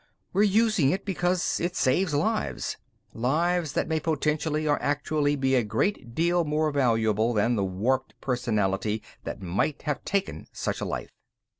We're using it because it saves lives, lives that may potentially or actually be a great deal more valuable than the warped personality that might have taken such a life.